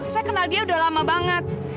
saya kenal dia udah lama banget